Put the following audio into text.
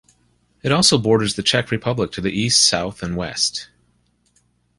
It also borders the Czech Republic to the east, south and west.